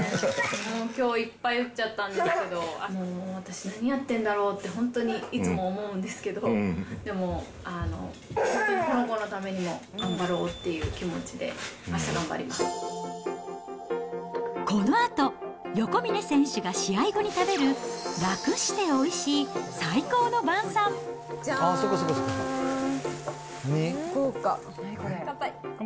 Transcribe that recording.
きょういっぱい打っちゃったんですけど、私、何やってんだろう？って、本当にいつも思うんですけど、でも本当にこの子のためにも頑張ろうっていう気持ちで、このあと、横峯選手が試合後に食べる、楽しておいしいじゃーん。